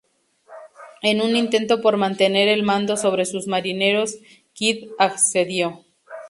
En un intento por mantener el mando sobre sus marineros, Kidd accedió.